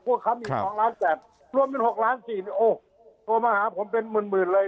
พวกเขามี๒ล้าน๘รวมเป็น๖ล้านสี่เนี่ยโอ้โทรมาหาผมเป็นหมื่นเลย